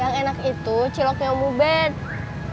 yang enak itu ciloknya orang lain kan